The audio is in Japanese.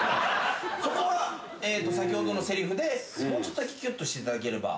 そこは先ほどのせりふでもうちょっとだけきゅっとしていただければ。